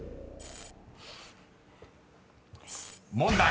［問題］